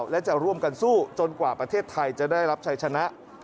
และจะร่วมกันสู้จนกว่าประเทศไทยจะได้รับชัยชนะ